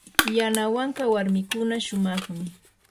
yanawanka warmikuna shumaqmi.